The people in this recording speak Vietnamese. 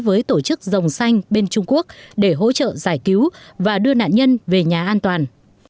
với tổ chức dòng xanh bên trung quốc để hỗ trợ giải cứu và đưa nạn nhân về nhà an toàn